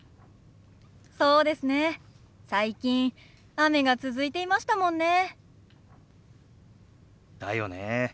最近雨が続いていましたもんね。だよね。